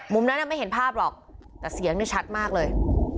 นั้นไม่เห็นภาพหรอกแต่เสียงนี่ชัดมากเลย